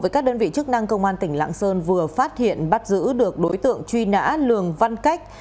các đơn vị chức năng công an tỉnh lạng sơn vừa phát hiện bắt giữ được đối tượng truy nã lường văn cách